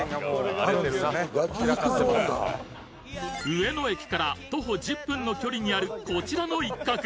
上野駅から徒歩１０分の距離にある、こちらの一角。